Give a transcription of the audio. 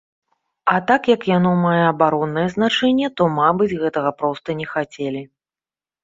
А так як яно мае абароннае значэнне, то, мабыць, гэтага проста не хацелі.